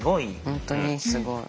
本当にすごい。